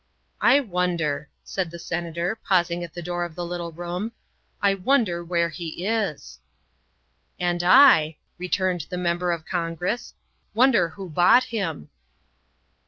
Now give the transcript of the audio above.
" I wonder," said the Senator, pausing at the door of the little room, " I wonder where he is?" "And I," returned the Member of Congress, " wonder who bought him."